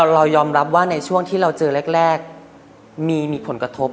เรายอมรับว่าในช่วงที่เราเจอแรกมีผลกระทบ